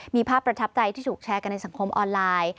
มีภาพประทับใจที่ถูกแชร์กันในสังคมออนไลน์